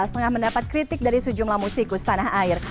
tengah mendapat kritik dari sejumlah musikus tanah air